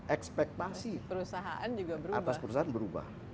ekspektasi atas perusahaan berubah